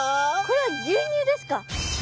これは牛乳ですか？